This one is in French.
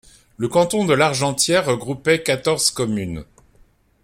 Le canton de Largentière regroupait quatorze communes.